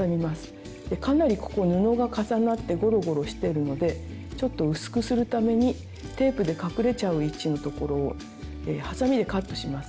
かなりここ布が重なってゴロゴロしてるのでちょっと薄くするためにテープで隠れちゃう位置のところをはさみでカットします。